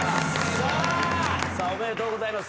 おめでとうございます。